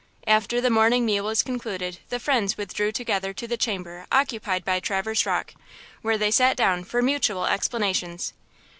After the morning meal was concluded the friends withdrew together to the chamber occupied by Traverse Rocke, where they sat down for mutual explanations.